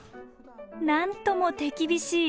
なんとも手厳しい！